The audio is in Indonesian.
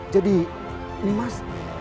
jadi nimas ini hendak kembali